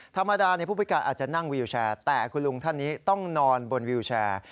ธรรมดาผู้พิการอาจจะนั่งวิวแชร์แต่คุณลุงท่านนี้ต้องนอนบนวิวแชร์